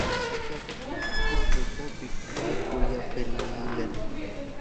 একে একে সমস্ত দ্রব্য বিক্রয় করিয়া ফেলিলেন।